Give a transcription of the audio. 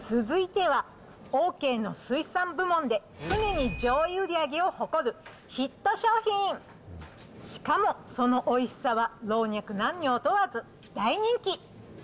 続いては、オーケーの水産部門で常に上位売り上げを誇るヒット商品。しかもそのおいしさは、老若男女を問わず大人気。